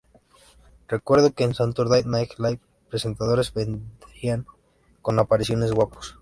Recuerdo que en "Saturday Night Live", presentadores vendrían con apariciones guapos.